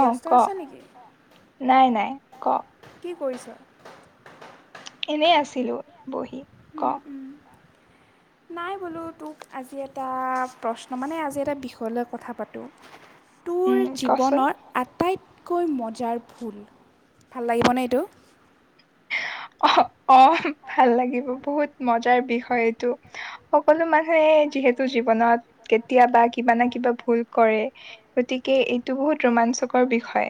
অ ক নাই নাই ক। কৰিছ। এনেই আছিলো বহি ক। [unintelligible] নাই বোলো তোক আজি এটা প্ৰশ্ন মানে আজি এটা বিষয়লৈ কথা পাতোঁ। তোৰ জীৱনৰ আটাইত কৈ মজাৰ ভুল, ভাল লাগিবনে এইটো? অ ভাল লাগিব বহুত মজাৰ বিষয় এইটো সকলো মানুহে যিহে তু জীৱনত কেতিয়াবা কিবা না কিবা ভুল কৰে গতিকে এইটো বহুত ৰোমাঞ্চ কৰ বিষয়।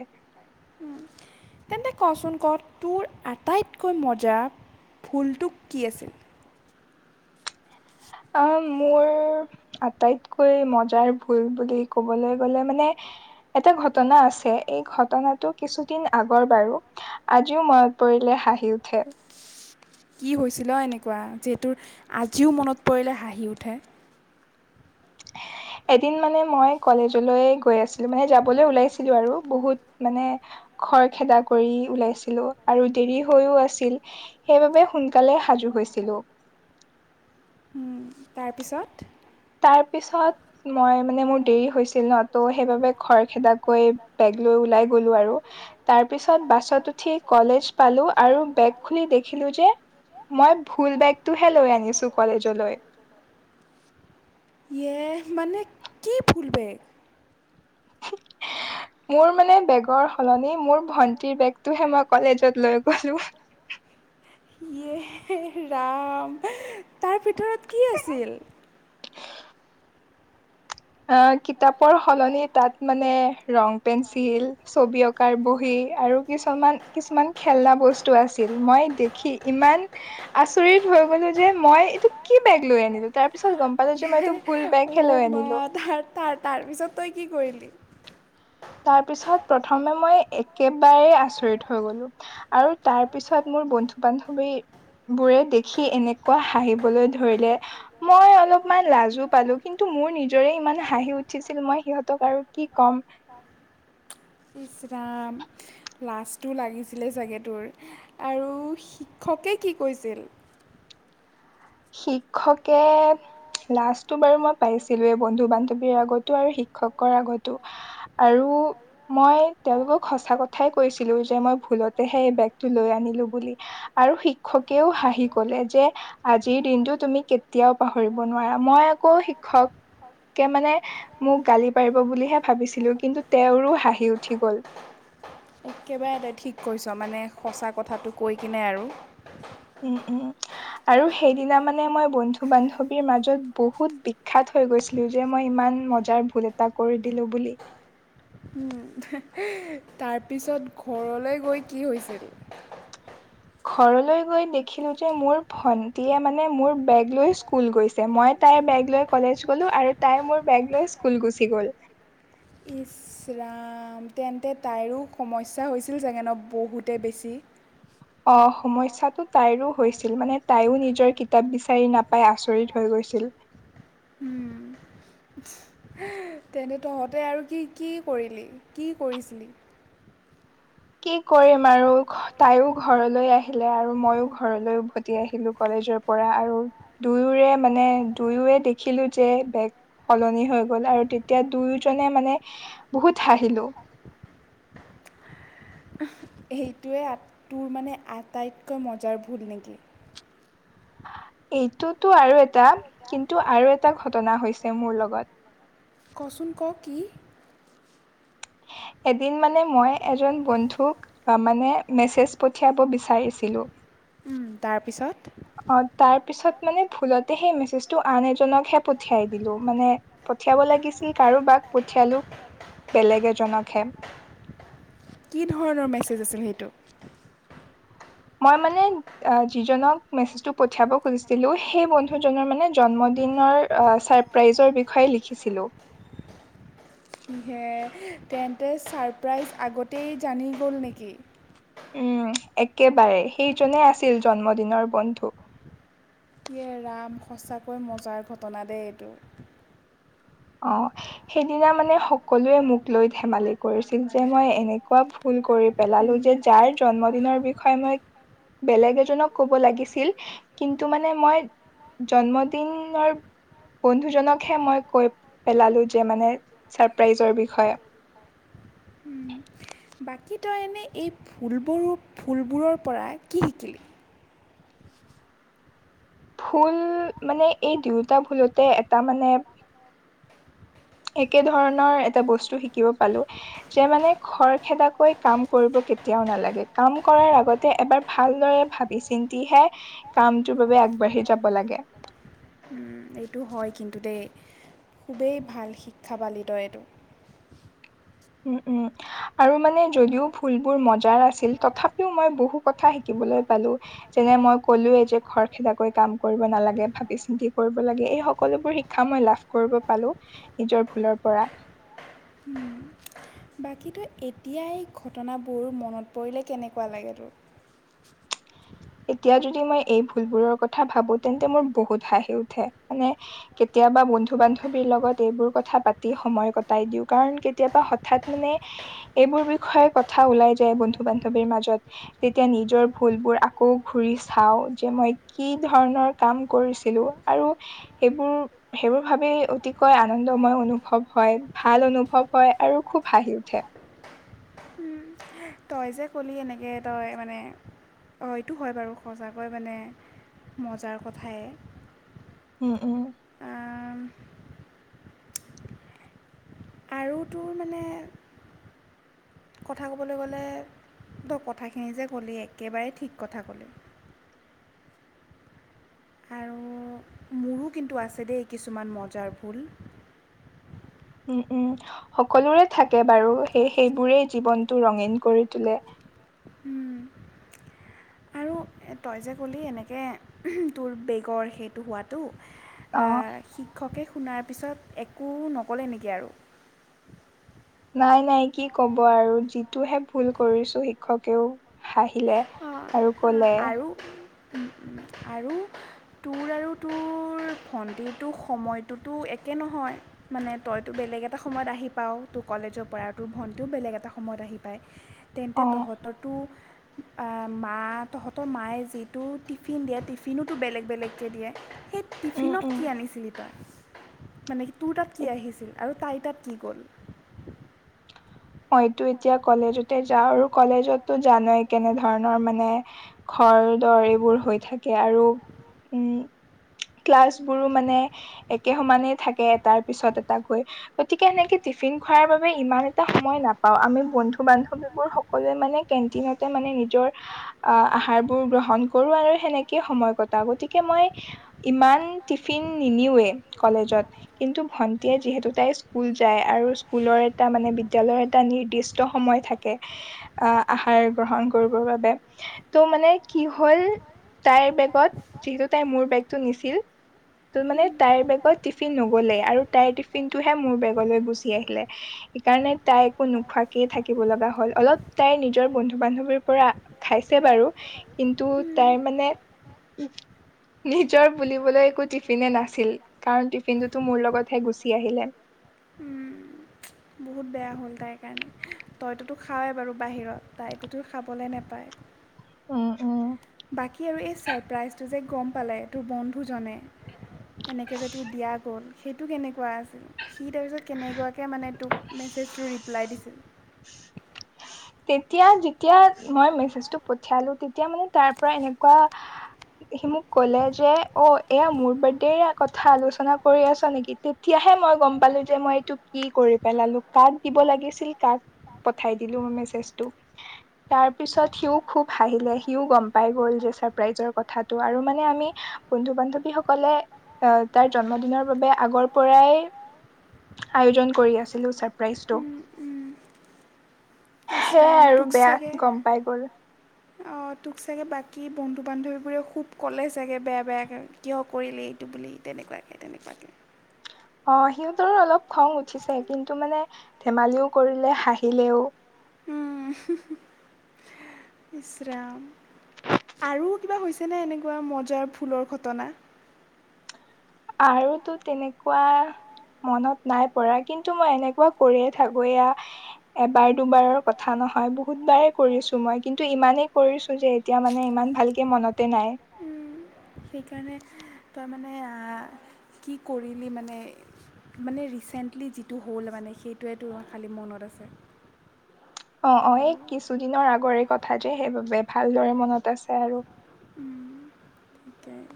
তেন্তে কচোন ক তোৰ আটাইতকৈ মজা ভুলটো কি আছিল? অ মোৰ আটাইতকৈ মজাৰ ভুল বুলি কবলৈ গ'লে মানে এটা ঘটনা আছে এই ঘটনাটো কিছুদিন আগৰ বাৰু আজিও মই পৰিলে হাঁহি উঠে। [unintelligible] কি হৈছিল অ এনেকুৱা যে তোৰ আজিও মনত পৰিলে হাঁহি উঠে? [unintelligible] এদিন মানে মই কলেজলৈ গৈ আছিলো মানে যাবলৈ ওলাইছিলো আৰু বহুত মানে খৰ খেদা কৰি ওলাইছিলো আৰু দেৰি হৈও আছিল সেইবাবে সোনকালে সাজু হৈছিলোঁ। উম তাৰ পিছত তাৰপিছত মই মানে মোৰ দেৰি হৈছিল ন? ত' সেইবাবে খৰ খেদাকৈ বেগ লৈ ওলাই গ'লো আৰু তাৰপিছত বাছত উঠি কলেজ পালোঁ আৰু বেগ খুলি দেখিলোঁ যে, মই ভুল বেগটোহে লৈ আনিছোঁ কলে জলৈ ইয়ে মানে কি ভুল বেগ? মোৰ মানে বেগৰ সলনি, মোৰ ভন্টিৰ বেগটোহে মই কলেজত লৈ গ'লো। ইয়ে এহ, ৰাম তাৰ ভিতৰত কি আছিল? অ', কিতাপৰ সলনি তাত মানে ৰং পেঞ্চিল, ছবি অঁকাৰ বহী। আৰু কিছুমান, কিছুমান খেলনা বস্তু আছিল, মই দেখি ইমান আচৰিত হৈ গ'লো যে, মই এইটো কি বেগ লৈ আনিলোঁ, তাৰপিছত গম পালোঁ যে, মই এইটো ভুল বেগহে লৈ আনিলোঁ। তাৰ, তাৰপিছত তই কি কৰিলি? তাৰপিছত প্ৰথমে মই একেবাৰে আচৰিত হৈ গ'লো আৰু তাৰপিছত মোৰ বন্ধু, বান্ধৱী বোৰে দেখি এনেকুৱা হাঁহিবলৈ ধৰিলে, মই অলপমান লাজো পালোঁ কিন্তু মোৰ নিজৰে ইমান হাঁহি উঠিছিল মই সিহঁতক আৰু কি ক'ম? ইচ ৰাম লাজটো লাগিছিলে চাগে তোৰ, আৰু শিক্ষকে কি কৈছিল? শিক্ষকে লাজটো বাৰু মই পাইছিলোঁয়ে বন্ধু, বান্ধৱীৰ আগতো আৰু শিক্ষকৰ আগতো আৰু ৰো, মই তেওঁলোকক সঁচা কথাই কৈছিলোঁ যে, মই ভুলতেহে এই বেগটো লৈ আনিলোঁ বুলি। আৰু শিক্ষকেও হাঁহি ক'লে যে আজিৰ দিনটো তুমি কেতিয়াও পাহৰিব নোৱাৰা, মই আকৌ শিক্ষক কে মানে মোক গালি পাৰিব বুলিহে ভাবিছিলো কিন্তু তেওঁৰো হাঁহি উঠি গ'ল। একেবাৰে তাই ঠিক কৰিছ মানে সঁচা কথাটো কৈ কিনে আৰু উম উম। আৰু সেইদিনা মানে মই বন্ধু বান্ধৱীৰ মাজত বহুত বিখ্যাত হৈ গৈছিলো যে মই ইমান ইমান মজাৰ ভুল এটা কৰি দিলো বুলি উম। তাৰপিছত ঘৰলৈ গৈ কি হৈছিল? ঘৰলৈ গৈ দেখিলো যে মোৰ ভন্টীয়ে মানে মোৰ বেগ লৈ স্কুল গৈছে মই তাইৰ বেগ লৈ কলেজ গ'লো আৰু তাই মোৰ বেগ লৈ স্কুল গুচি গ'ল। ইচ ইছ ৰাম তেন্তে তাইৰো সমস্যা হৈছিল চাগে ন', বহুতে বেছি। অ সমস্যাটো তাইৰো হৈছিল মানে তাইও নিজৰ কিতাপ বিচাৰি নাপাই আচৰিত হৈ গৈছিল। ছিলছিল উম। তেনে তহঁতে আৰু কি কি কৰিলি কি কৰিছিলি? কি কৰিম আৰু তাইও ঘৰলৈ আহিলে আৰু মইও ঘৰলৈ উভতি আহিলো কলে পৰা আৰু দুয়োৰে মানে দুয়োৰে দেখিলো যে বেগ সলনি হৈ গ'ল আৰু তেতিয়া দুয়োজনে মানে বহুত হাঁহিলো। [inaudible] সেইটোৱে তোৰ মানে আটাইতকৈ মজাৰ ভুল নেকি? এইটোতো আৰু এটা কিন্তু আৰু এটা ঘটনা হৈছে মোৰ লগত কচোন ক কি? [inaudible] এদিন মানে মই এজন বন্ধুক মানে মেছেজ পঠিয়াব বিচাৰিছিলো। উম তাৰ পিছত তাৰ পিছত মানে ভুলতে সেই মেছেজটো আন এজনকহে পঠিয়াই দিলো মানে পঠিয়াব লাগিছিল কাৰোবাক পঠিয়ালো বেলেগ এজনকহে। কি ধৰণৰ মেছেজ আছিল সেইটো? মই মানে যিজনক মেছেজ পঠাব খুজিছিলো সেই বন্ধুজনৰ মানে জন্ম দিনৰ ছাৰপ্ৰাইজৰ বিষয়ে লিখিছিলো। হে। তেন্তে ছাৰপ্ৰাইজ আগতেই জানি গ'ল নেকি? উম একেবাৰে সেইজনে আছিল জন্মদিনৰ বন্ধু। সিয়ে ৰাম সঁচাকৈ মজাৰ ঘটনা দেই এইটো। অঁ সেইদিনা মানে সকলোৱে মোক লৈ ধেমালি কৰিছিল যে মই এনেকুৱা ভুল- কৰি পেলালো যে যাৰ জন্মদিনৰ বিষয়ে মই বেলেগ এজনক ক'ব লাগিছিল কিন্তু মানে মই জন্মদিনৰ বন্ধুজনকহে মই কৈ পেলালো যে মানে ছাৰপ্ৰাইজৰ বিষয়ে। বাকী তই এনে এই ফুলবোৰো ফুলবোৰৰ পৰা কি শিকিলি ভুল মানে এই দুয়োটা ভুলতে এটা মানে একে ধৰণৰ এটা বস্তু শিকিব পালো যে মানে খৰখেদাকৈ কাম কৰিব কেতিয়াও নালাগে কাম কৰাৰ আগতে এবাৰ ভালদৰে ভাবি চিন্তিহে কামটোৰ বাবে আগবাঢ়ি যাব লাগে। উম এইটো। হয় কিন্তু দেই, খুবেই ভাল শিক্ষা পালি তই এইটো। উম উম আৰু মানে যদিও ভুলবোৰ মজাৰ আছিল তথাপিও মই বহু কথা শিকিব [unintelligible] যেনে মই কলোয়ে যে খৰ খেদাকৈ কাম কৰিব নালাগে ভাবি চিন্তি কৰিব লাগে এই সকলোবোৰ শিক্ষা মই লাভ কৰিব পালো, নিজৰ ভুলৰ পৰা। উম। বাকীতো এতিয়া এই ঘটনাবোৰ মনত পৰিলে কেনেকুৱা লাগেতোৰ? এতিয়া যদি মই এই ভুলবোৰৰ কথা ভাবো তেন্তে মোৰ বহুত হাহি উঠে মানে কেতিয়া কেতিয়াবা বন্ধু-বান্ধৱীৰ লগত এইবোৰ কথা পাতি সময় কটাই দিওঁ, কাৰণ কেতিয়াবা হঠাৎ মানে এইবোৰ বিষয়ে কথা ওলাই যায় বন্ধু বান্ধৱীৰ মাজত তেতিয়া নিজৰ ভুলবোৰ আকৌ ঘূৰি চাও যে মই কি ধৰণৰ কাম কৰিছিলো আৰু সেইবোৰ সেইবোৰ ভাবি অতিকৈ আনন্দময় অনুভৱ হয়, ভাল অনুভৱ হয় আৰু খুব হাঁহি উঠে। [inaudible] তই যে ক'লি এনেকৈ তই মানে অঁ এইটো হয় বাৰু, সঁচাকৈ মানে মজাৰ কথাই। উ উম। আৰু তোৰ মানে কথা ক'বলৈ গ'লে ধৰক কথাখিনি যে ক'লি একেবাৰেই ঠিক কথা ক'লি। [inaudible] মোৰো কিন্তু আছে দেই কিছুমান মজাৰ ভুল। উম - উম সকলোৰে থাকে বাৰু সেই সেইবোৰেই জীৱনটো ৰঙীন কৰি তোলে উম, তই যে ক'লি এনেকৈ তোৰ বেগৰ সেইটো হোৱাতটো আ শিক্ষকে শুনাৰ পিছত একো নক'লে নেকি আৰু নাই, নাই, কি কব আৰু যিটোহে ভুল কৰিছো শিক্ষকেও হাঁহিলে। অ আ, আৰু, উম উম, আৰু ত ভণ্টিৰতো সময়টোতো একে নহয় মানে তইতো বেলেগ এটা সময়ত আহি পাও তোক ক কলেজৰ পৰাতো ভন্টিও বেলেগ এটা সময়ত আহি পায়, তেন্তে তহঁতৰতো মা তহতৰ মায়ে যিটো টিফিন দিয়ে টিফিনোতো বেলেগ - বেলেগকৈ দিয়ে সেই মানে কি তোৰ তাত কি আহিছিল আৰু তাই তাত কি গ'ল। মইতো এতিয়া কলেজতে যাও আৰু কলেজতো জানায় কেনেধৰণৰ মানে দৰ - দৰ এইবোৰ হৈ থাকে আৰু উম, ক্লাছ বোৰো মানে একে সমানেই থাকে এটাৰ পিছত এটা কৈ গতিকে সেনেকে টিফিন খোৱাৰ বাবে ইমান সময় নাপাও আমি বন্ধু বান্ধৱীবোৰ সকলোৱে মানে কেন্টিনতে মানে নিজৰ আহ ভাৰবোৰ গ্ৰহণ কৰো আৰু সেনেকে সময় কটাও, গতিকে মই ইমান টিফিন নি নিওৱে কলেজত, কিন্তু ভণ্টীয়ে যিহেতু তাই স্কুল যায় আৰু স্কুলৰ এটা মানে এটা নিৰ্দিষ্ট সময় থাকে আহাৰ গ্ৰহণ কৰিবৰ বাবে। মানে কি হ'ল তাইৰ বেগত যিহেতু তাই মোৰ বেগটো নিছিল ত মানে তাইৰ বেগত টিফিন নগলে আৰু তাইৰ টিফিনটোহে মোৰ বেগলৈ গুচি আহিলে। সেইকাৰণে তাই একো নোখোৱাকেই থাকিব লগা হ'ল, অলপ তাই নিজৰ বন্ধু-বান্ধৱীৰ পৰা খাইছে বাৰু। কিন্তু তাই মানে নিজৰ বুলিবলৈ একো টিফিনে নাছিল কাৰণ টিফিনটোতো মোৰ লগতহে গুচি আহিলে। উম, বহুত বহুত বেয়া হ'ল তাইৰ কাৰণে, তইতোতো খাৱৱেই বাৰু বাহিৰত, তাইতো খাবলৈ নাপায়। উম - উম। বাকী আৰু এই ছাৰপ্ৰাইজটো যে গম পালে তোৰ বন্ধুজনে। এনেকে যিটো দিয়া গ'ল সেইটো কেনেকুৱা আছিল, সি তাৰপিছত কেনেকুৱাকৈ মানে তোক মেছেজটো ৰিপ্লাই দিছিল? তেতিয়া যেতিয়া মই মেছেজটো পঠিয়ালো তেতিয়া মানে তাৰ পৰা এনেকুৱা সি মোক কলে যে অ এয়া মোৰ বাৰ্থডে কথা আলোচনা কৰি আছো নেকি? তেতিয়া হে মই গম পালো যে মই এইটো কি কৰি পেলালো কাক দিব লাগিছিল কাক পঠাই দিলো মই মেছে [unintelligible] আৰু মানে আমি বন্ধু বান্ধৱী সকলে আহ তাৰ জন্মদিনৰ বাবে আগৰ পৰাই আয়োজন কৰি আছিলোঁ ছাৰপ্ৰাইজটো। [inaudible] সেয়াই আৰু বেয়া, গম পাই গ'ল। অ তোক চাগে বাকী বন্ধু বান্ধৱীবোৰে খুব ক'লে চাগে বেয়া বেয়াকে কিয় কৰিলি এইটো বুলি। তেনেকুৱাকে তেনেকুৱাকে অ সিহঁতৰ অলপ খং উঠিছে কিন্তু মানে ধেমালিও কৰিলে, হাঁহিলেও। [unintelligible] ইচৰাম, আৰু কিবা হৈছেনে এনেকুৱা মজাৰ ফুলৰ ঘটনা? আৰুতো তেনেকুৱা মনত নাই পৰা কিন্তু মই এনেকুৱা কৰিয়ে থাকো এয়া এবাৰ দুবাৰৰ কথা নহয় বহুত বাৰে কৰিছো মই কিন্তু ইমানেই কৰিছো যে এতিয়া মানে ইমান ভালকে মনতে নাই। সেইকাৰণে তই মানে কি কৰিলি মানে? মানে ৰিচেণ্টলি যিটো হ'ল মানে সেইটোৱ তো খালী মনত আছে। অ অ এই কিছুদিনৰ আগৰে কথা যে সেইবাবে ভালদৰে মনত আছে আৰু। উম তাকেই।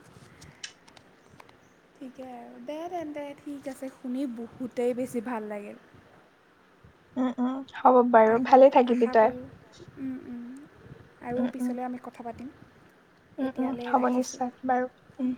ঠিকে আৰু দে দে দে ঠিক আছে, শুনি বহুতেই বেছি ভাল লাগিল। উম উ আশা আশা কৰোঁ, উম উম, আৰু পিছলৈ আমি কথা পাতিম। উম উম হ'ব নিশ্চয় বাৰু উম।